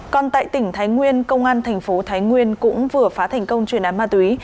còn tại tỉnh thái nguyên công an tp thái nguyên cũng vừa phá thành công truyền án ma túy